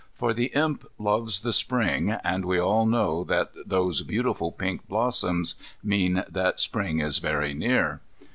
For the Imp loves the Spring, and we all know that those beautiful pink blossoms mean that Spring is very near.